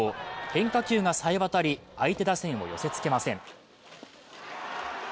変化球がさえわたり、相手打線を寄せつけません。